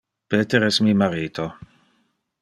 Peter es mi marito.